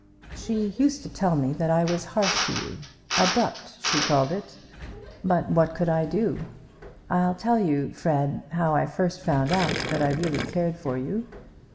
"She used to tell me that I was harsh to you; abrupt, she called it. But what could I do? I'll tell you, Fred, how I first found out that I really cared for you.